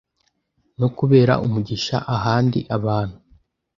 no kubera umugisha ahandi abantu